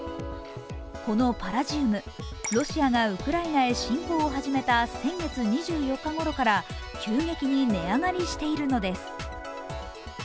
このパラジウム、ロシアがウクライナへ侵攻を始めた先月２４日ごろから急激に値上がりしているのです。